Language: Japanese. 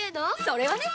それはね！